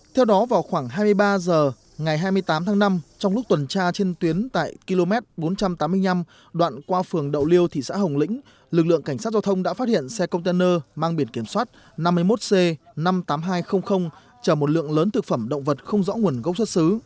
theo đó vào khoảng hai mươi ba h ngày hai mươi tám tháng năm trong lúc tuần tra trên tuyến tại km bốn trăm tám mươi năm đoạn qua phường đậu liêu thị xã hồng lĩnh lực lượng cảnh sát giao thông đã phát hiện xe container mang biển kiểm soát năm mươi một c năm mươi tám nghìn hai trăm linh chở một lượng lớn thực phẩm động vật không rõ nguồn gốc xuất xứ